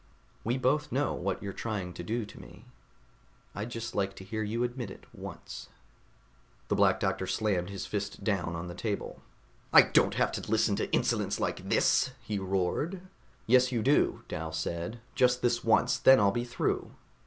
We both know what you're trying to do to me. I'd just like to hear you admit it once." The Black Doctor slammed his fist down on the table. "I don't have to listen to insolence like this," he roared. "Yes, you do," Dal said. "Just this once. Then I'll be through."